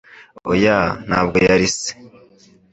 Oya, ntabwo yari se.